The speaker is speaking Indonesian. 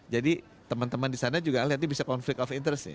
jadi teman teman disana juga lihat nih bisa conflict of interest ya